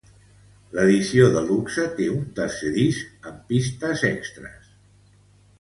L'edició de luxe té un tercer disc amb pistes extres.